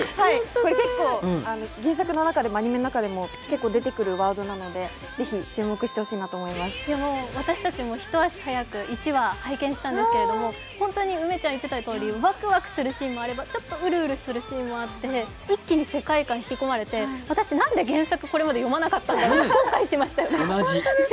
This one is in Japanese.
これ、結構、原作の中でもアニメの中でも出てくるワードなんですけど私たちも一足早く１話拝見したんですけど、本当に梅ちゃんが言っていたとおりワクワクするシーンもあれば、ちょっとウルウルするシーンもあって、一気に世界観引き込まれて私、なんでこれまで原作読まなかったんだろうって後悔しました。